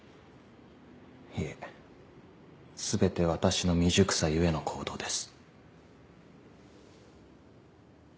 いえ全て私の未熟さゆえの行動です。